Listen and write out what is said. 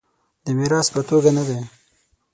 د میراث په توګه نه دی.